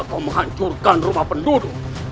untuk apa kau menghancurkan rumah penduduk